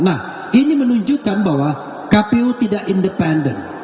nah ini menunjukkan bahwa kpu tidak independen